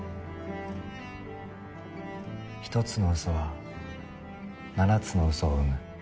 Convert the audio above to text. １つの嘘は７つの嘘を生む。